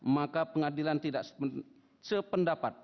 maka pengadilan tidak sependapat